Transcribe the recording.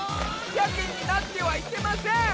ヤケになってはいけません！